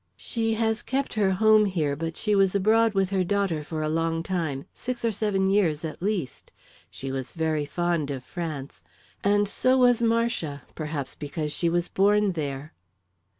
"She has kept her home here, but she was abroad with her daughter for a long time six or seven years, at least. She was very fond of France and so was Marcia, perhaps because she was born there."